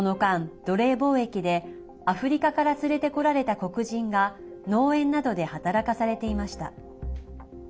この間、奴隷貿易でアフリカから連れて来られた黒人が農園などで働かされていました。